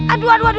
aduh aduh aduh